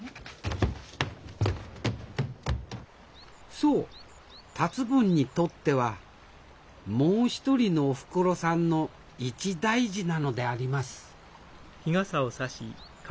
そう達ぼんにとってはもう一人のおふくろさんの一大事なのであります